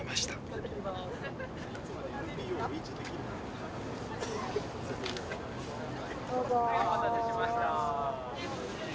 お待たせしました。